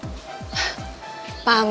sersang cukur juga